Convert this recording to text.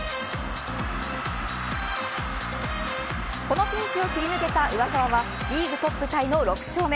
このピンチを切り抜けた上沢はリーグトップタイの６勝目。